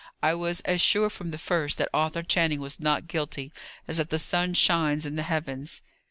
I was as sure from the first that Arthur Channing was not guilty, as that the sun shines in the heavens."